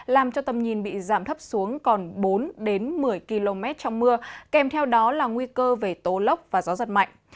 làm cho tầm nhìn bị giảm thấp xuống còn bốn một mươi km trong mưa kèm theo đó là nguy cơ về tố lốc và gió giật mạnh